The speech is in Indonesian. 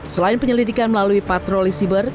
selain penyelidikan melalui patroli siber